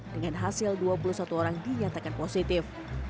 dengan hasil dua puluh satu orang dinyatakan positif